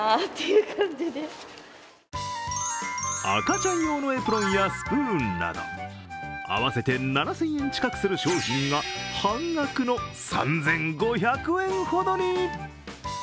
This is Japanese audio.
赤ちゃん用のエプロンやスプーンなど合わせて７０００円近くする商品が半額の３５００円ほどに。